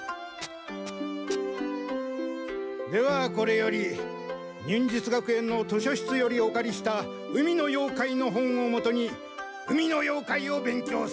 ではこれより忍術学園の図書室よりお借りした「海の妖怪」の本をもとに「海の妖怪」を勉強する！